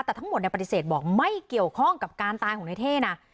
แต่ทั้งหมดปฏิเสธบอกไม่เกี่ยวข้องกับการตายของในเท่นะ